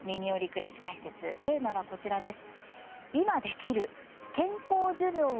くらし解説」テーマは、こちらです。